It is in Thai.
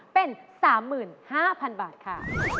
เป็น๓๕๐๐๐บาทค่ะ